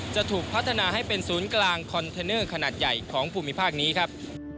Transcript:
จะถูกพัฒนาให้เป็นศูนย์กลางคอนเทนเนอร์ขนาดใหญ่ของภูมิภาคนี้ครับ